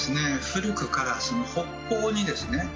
古くから北方にですね